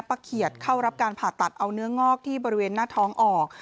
เขียดเข้ารับการผ่าตัดเอาเนื้องอกที่บริเวณหน้าท้องออก